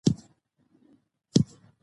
تشې سپينې مرمرينې لېچې